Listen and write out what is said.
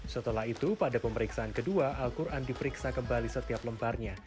setelah itu pada pemeriksaan kedua al quran diperiksa kembali setiap lembarnya